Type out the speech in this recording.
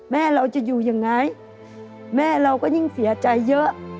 แม่เราจะอยู่ยังไงแม่เราก็ยิ่งเสียใจเยอะ